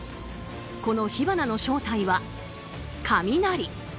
この火花の正体は雷。